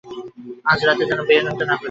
আজ রাতে যেন সে বের হতে না পারে।